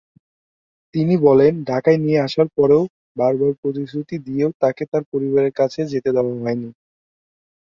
তিনি বলেন, ঢাকায় নিয়ে আসার পরেও বারবার প্রতিশ্রুতি দিয়েও তাকে তার পরিবারের কাছে যেতে দেওয়া হয়নি।